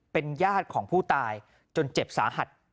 เป็นญาติของผู้ตายจนเจ็บสาหัส